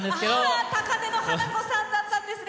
だから「高嶺の花子さん」だったんですね。